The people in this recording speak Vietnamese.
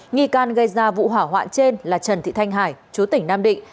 nghi can gây ra vụ hỏa hoạn trên là trần thị thanh hải chú tỉnh nam định